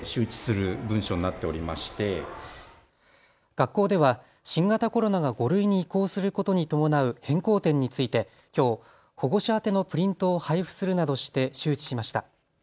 学校では新型コロナが５類に移行することに伴う変更点についてきょう保護者宛のプリントを配布するなどして周知しました。